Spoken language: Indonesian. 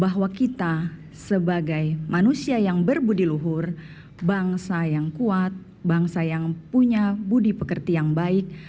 bahwa kita sebagai manusia yang berbudi luhur bangsa yang kuat bangsa yang punya budi pekerti yang baik